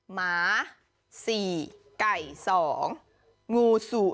หมา๔ไก่๒งู๐